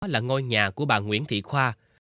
là ngôi nhà của bà nguyễn thị khoa